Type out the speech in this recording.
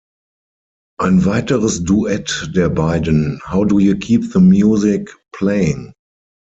Ein weiteres Duett der beiden, "How Do You Keep the Music Playing?